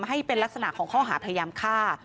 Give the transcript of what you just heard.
ให้เป็นลักษณะของข้อหาพยายามฆ่า